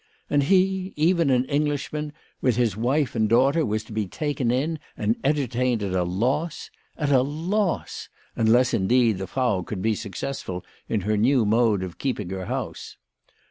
And he, even an Englishman, with his wife and daughter, was to be taken in and enter tained at a loss ! At a loss ! unless, indeed, the Frau could be successful in her new mode of keeping her house.